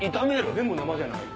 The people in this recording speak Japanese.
全部生じゃない。